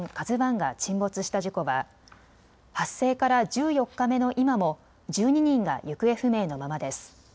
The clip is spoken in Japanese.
ＫＡＺＵＩが沈没した事故は発生から１４日目の今も１２人が行方不明のままです。